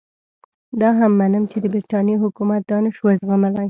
دا هم منم چې د برټانیې حکومت دا نه شوای زغملای.